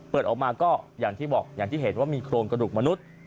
เปิดออกมาก็อย่างที่บอกอย่างที่เห็นว่ามีโครงกระดูกมนุษย์